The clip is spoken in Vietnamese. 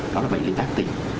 đó là bệnh lý tác tính